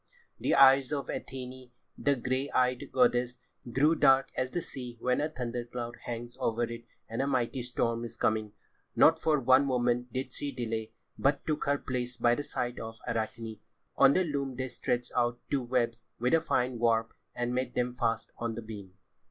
The eyes of Athené, the grey eyed goddess, grew dark as the sea when a thunder cloud hangs over it and a mighty storm is coming. Not for one moment did she delay, but took her place by the side of Arachne. On the loom they stretched out two webs with a fine warp, and made them fast on the beam.